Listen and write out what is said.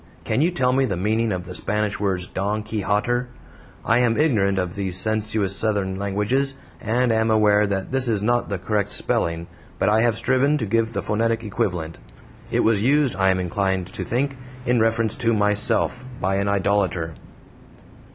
Can you tell me the meaning of the Spanish words "Don Keyhotter"? I am ignorant of these sensuous Southern languages, and am aware that this is not the correct spelling, but I have striven to give the phonetic equivalent. It was used, I am inclined to think, in reference to MYSELF, by an idolater.